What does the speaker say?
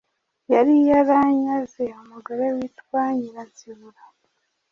yari yaranyaze umugore witwa Nyiransibura